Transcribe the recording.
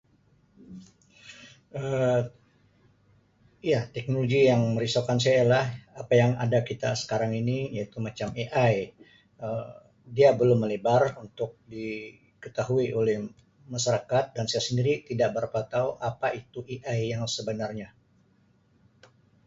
Um Ya teknologi yang merisaukan saya ialah apa yang ada kita sekarang ini iaitu macam AI Um, dia belum lagi [unintelligible] untuk diketahui oleh masyarakat dan saya sendiri tidak berapa tahu apa itu AI yang sebenarnya.